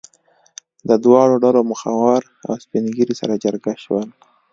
د دواړو ډلو مخور او سپین ږیري سره جرګه شول.